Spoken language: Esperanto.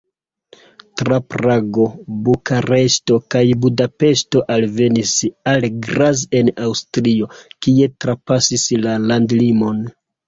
Tra Prago, Bukareŝto kaj Budapeŝto alvenis al Graz en Aŭstrio, kie trapasis la landlimon.